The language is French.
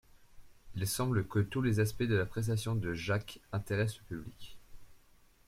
Il semble que tous les aspects de la prestation de Jacques intéressent le public.